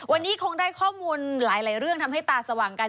วันนี้คงได้ข้อมูลหลายเรื่องทำให้ตาสว่างกัน